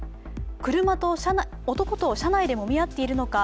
男と車内でもみ合っているのか